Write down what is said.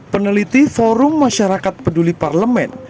peneliti forum masyarakat peduli parlemen